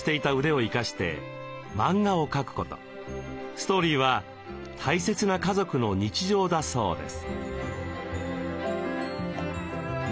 ストーリーは大切な家族の日常だそうです。